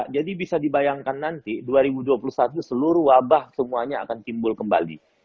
jadi bisa dibayangkan nanti dua ribu dua puluh satu seluruh wabah semuanya akan timbul kembali